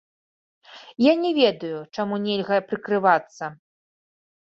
Я не ведаю, чаму нельга прыкрывацца.